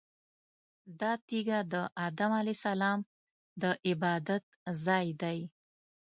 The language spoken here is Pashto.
دا تیږه د ادم علیه السلام د عبادت ځای دی.